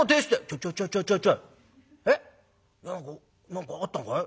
「何か何かあったのかい？